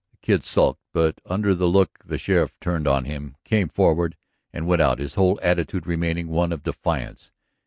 The Kid sulked, but under the look the sheriff turned on him came forward and went out, his whole attitude remaining one of defiance.